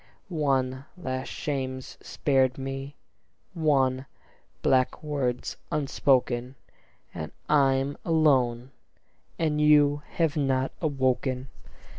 One last shame's spared me, one black word's unspoken; And I'm alone; and you have not awoken.